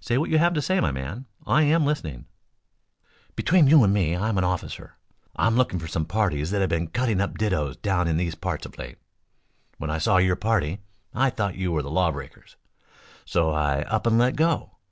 "Say what you have to say, my man. I am listening." "Between you and me I'm an officer. I'm looking for some parties that have been cutting up didoes down in these parts of late. When I saw your party I thought you were the lawbreakers, so I up and let go.